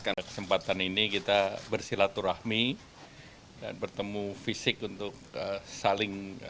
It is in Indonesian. karena kesempatan ini kita bersilaturahmi dan bertemu fisik untuk saling